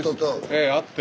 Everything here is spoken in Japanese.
ええ会って。